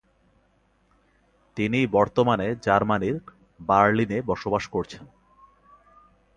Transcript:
তিনি বর্তমানে জার্মানির বার্লিনে বসবাস করছেন।